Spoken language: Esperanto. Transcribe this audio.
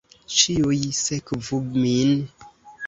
Ĉiuj sekvu min!